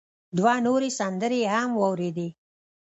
دوه نورې سندرې يې هم واورېدې.